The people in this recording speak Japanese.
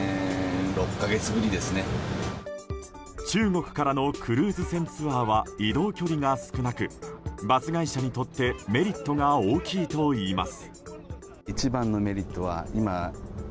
中国からのクルーズ船ツアーは移動距離が少なくバス会社にとってメリットが大きいといいます。